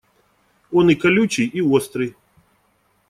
Он и колючий и острый.